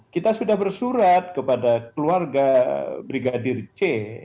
kita sudah bersurat kepada keluarga brigadir c